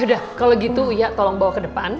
yaudah kalau gitu uya tolong bawa ke depan